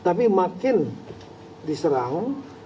tapi makin diserang